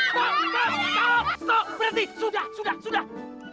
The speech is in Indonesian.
stop berhenti sudah sudah